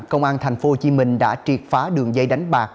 công an tp hcm đã triệt phá đường dây đánh bạc